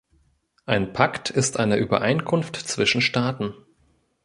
Ein Pakt ist eine Übereinkunft zwischen Staaten.